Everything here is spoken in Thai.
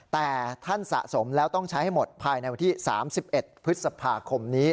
แต่ท่านสะสมแล้วต้องใช้ให้หมดภายในวันที่๓๑พฤษภาคมนี้